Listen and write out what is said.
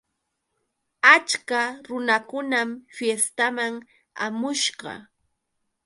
Achka runakunam fiestaman hamushqa.